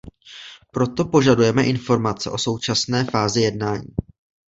Proto požadujeme informace o současné fázi jednání.